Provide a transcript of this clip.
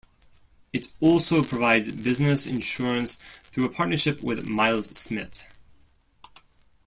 It also provides business insurance through a partnership with Miles Smith.